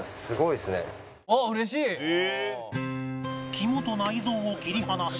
肝と内臓を切り離し